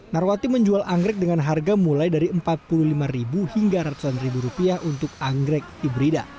narwati menjual anggrek dengan harga mulai dari rp empat puluh lima hingga rp seratus untuk anggrek hibrida